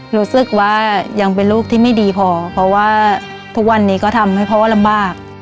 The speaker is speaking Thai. รู้สึกว่ายังเป็นลูกที่ไม่ดีพอเพราะว่าทุกวันนี้ก็ทำให้พ่อลำบาก